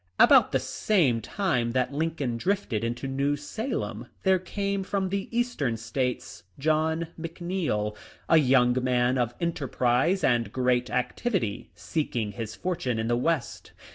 About the same time that Lincoln drifted into New Salem there came in from the Eastern States John McNeil, a young man of enterprise and great activity, seeking his fortune in the West.